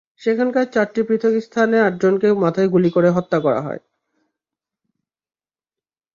সেখানকার চারটি পৃথক স্থানে আটজনকে মাথায় গুলি করে হত্যা করা হয়।